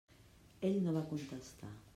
Ell no va contestar.